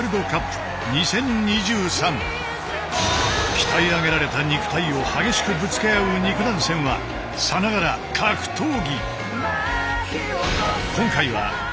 鍛え上げられた肉体を激しくぶつけ合う肉弾戦はさながら格闘技。